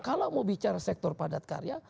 kalau mau bicara sektor padat karya